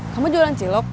kamu jualan cilok